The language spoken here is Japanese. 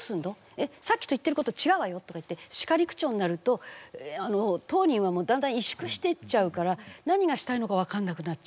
えっさっきと言ってること違うわよ」とかいって叱り口調になると当人はもうだんだん委縮してっちゃうから何がしたいのか分かんなくなっちゃう。